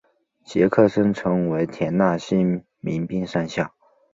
杰克森成为田纳西民兵上校。